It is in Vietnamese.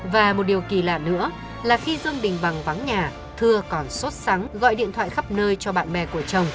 và một điều kỳ lạ nữa là khi dương đình bằng vắng nhà thưa còn sốt sáng gọi điện thoại khắp nơi cho bạn bè của chồng